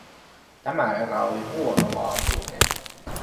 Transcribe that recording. Tämä erä oli huonolaatuinen.